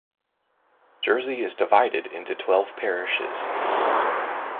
Jersey is divided into twelve parishes.